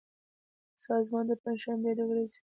سازمان د پنجشنبې د ورځې